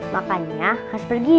makannya harus pergi